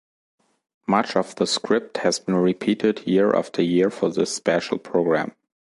Much of the script has been repeated year after year for this special programme.